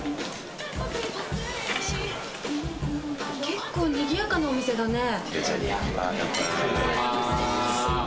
結構にぎやかなお店だね。